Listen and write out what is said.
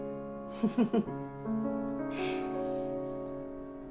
フフフ。